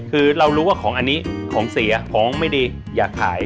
คือเรารู้ว่าของอันนี้ของเสียของไม่ดีอยากขาย